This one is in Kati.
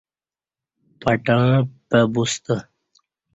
پٹݩع پَہ بوستہ